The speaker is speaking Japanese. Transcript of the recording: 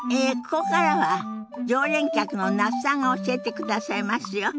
ここからは常連客の那須さんが教えてくださいますよ。